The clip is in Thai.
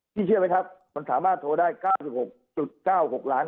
พี่เชื่อไหมครับมันสามารถโทรได้๙๖๙๖ล้านครั้งต่อเดือนครับ